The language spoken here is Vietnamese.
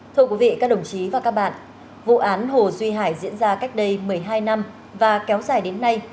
thưa quý vị các đồng chí và các bạn vụ án hồ duy hải diễn ra cách đây một mươi hai năm và kéo dài đến nay